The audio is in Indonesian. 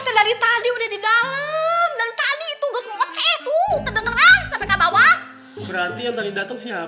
berarti yang tadi dateng siapa yura